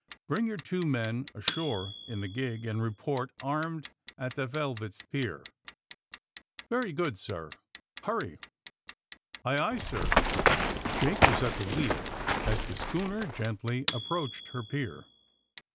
Bring your two fnen ashore in the gig, and report^ armed, at the 'Velvet's' pier." Very good, sir." '>Hurry!" Aye, aye, sir.'^ Jake was at the wheel as the schooner gently approached her pier.